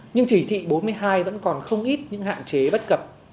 nhưng chỉ thị bốn mươi hai vẫn còn không ít những hạn chế bất cập